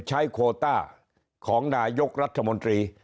ใช้โควตาของนายกรัฐมนตรี